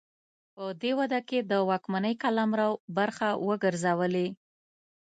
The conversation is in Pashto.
په دې واده کې د واکمنۍ قلمرو برخه وګرځولې.